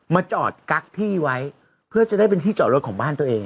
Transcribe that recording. มาจอดกั๊กที่ไว้เพื่อจะได้เป็นที่จอดรถของบ้านตัวเอง